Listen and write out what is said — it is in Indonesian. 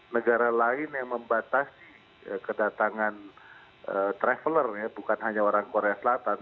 negara lain yang membatasi kedatangan traveler ya bukan hanya orang korea selatan